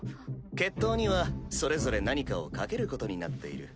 決闘にはそれぞれ何かを賭けることになっている。